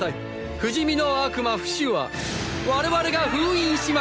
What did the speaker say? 不死身の悪魔フシは我々が封印しました！！